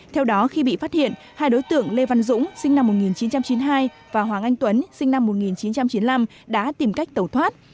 theo đó khi bị phát hiện hai đối tượng lê văn dũng sinh năm một nghìn chín trăm chín mươi hai và hoàng anh tuấn sinh năm một nghìn chín trăm chín mươi năm đã tìm cách tẩu thoát